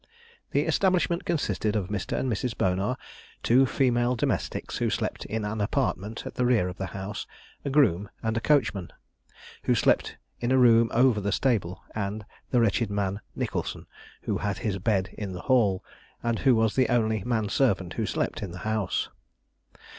The establishment consisted of Mr. and Mrs. Bonar, two female domestics, who slept in an apartment at the rear of the house, a groom and coachman, who slept in a room over the stable, and the wretched man Nicholson, who had his bed in the hall, and who was the only man servant who slept in the house.